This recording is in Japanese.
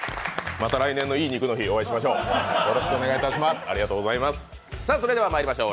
また来年のいい肉の日にお会いしましょう。